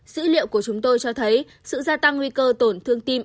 dữ liệu của chúng tôi cho thấy sự gia tăng nguy cơ tổn thương tim